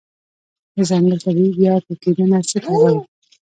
د ځنګل طبيعي بیا ټوکیدنه څه ته وایې؟